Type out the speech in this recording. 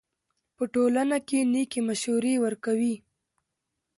په ټولنه کښي نېکي مشورې ورکوئ!